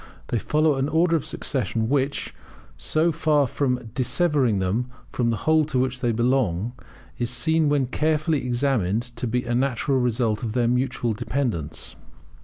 They follow an order of succession which, so far from dissevering them from the whole to which they belong, is seen when carefully examined to be a natural result of their mutual dependence.